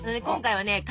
今回はね